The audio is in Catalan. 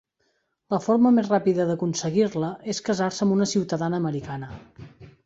La forma més ràpida d'aconseguir-la és casar-se amb una ciutadana americana.